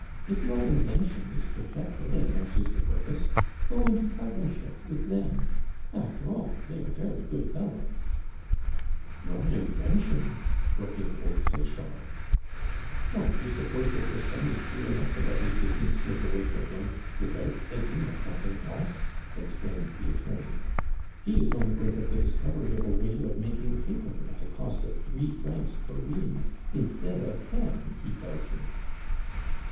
If your invention is perfected and answers the purpose, go into partnership with them. After all, they are very good fellows " "Your invention?" broke in old Sechard. "Why, do you suppose that your son is fool enough to let his business slip away from him without thinking of something else?" exclaimed the attorney. "He is on the brink of the discovery of a way of making paper at a cost of three francs per ream, instead of ten, he tells me."